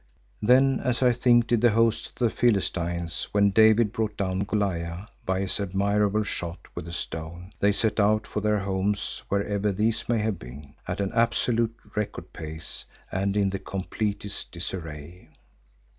Then, as I think did the hosts of the Philistines when David brought down Goliath by his admirable shot with a stone, they set out for their homes wherever these may have been, at an absolutely record pace and in the completest disarray.